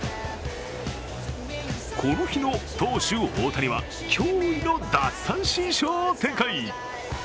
この日の投手・大谷は驚異の奪三振ショーを展開。